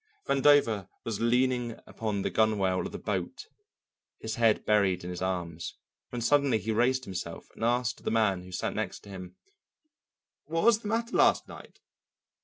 Vandover was leaning upon the gunwale of the boat, his head buried in his arms, when suddenly he raised himself and asked of the man who sat next to him: "What was the matter last night?